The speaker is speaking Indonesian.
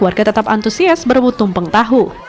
warga tetap antusias berebut tumpeng tahu